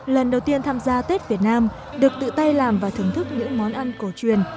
lần đầu tiên tham gia tết việt nam được tự tay làm và thưởng thức những món ăn cổ truyền